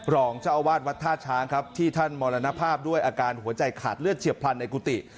รองเจ้าอาวาสวัดท่าช้างครับที่ท่านมรณภาพด้วยอาการหัวใจขาดเลือดเฉียบพลันในกุฏิ